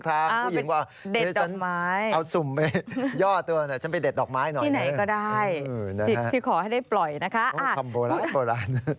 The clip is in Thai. ผู้หญิงว่าเอาสุ่มไปย่อตัวหน่อยฉันไปเด็ดดอกไม้หน่อยนะครับฮือนะครับคำโบราณ